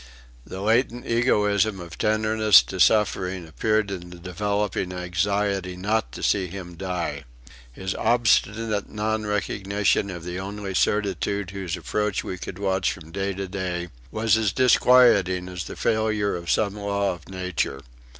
The latent egoism of tenderness to suffering appeared in the developing anxiety not to see him die. His obstinate non recognition of the only certitude whose approach we could watch from day to day was as disquieting as the failure of some law of nature.